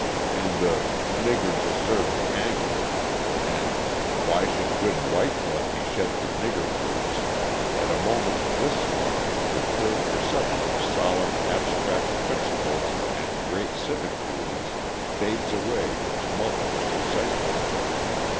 And "the nigger deserved hanging," and "why should good white blood be shed for nigger brutes?" At a moment of this sort the clear perception of solemn abstract principles and great civic duties fades away in tumultuous excitement.